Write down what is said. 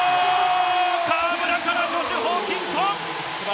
河村からジョシュ・ホーキンソン！